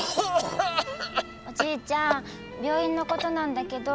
おじいちゃん病院のことなんだけど。